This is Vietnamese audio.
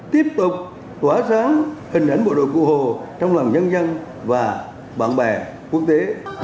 tiếp tục tỏa sáng hình ảnh bộ đội cụ hồ trong lòng nhân dân và bạn bè quốc tế